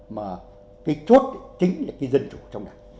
mà cái chốt chính là cái dân chủ trong đảng